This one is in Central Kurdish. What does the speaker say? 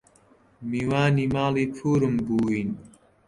میوانی ماڵی پوورم بووین